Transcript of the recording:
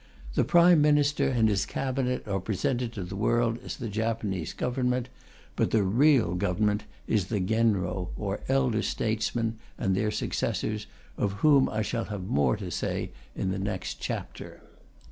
The Prime Minister and his Cabinet are presented to the world as the Japanese Government, but the real Government is the Genro, or Elder Statesmen, and their successors, of whom I shall have more to say in the next chapter.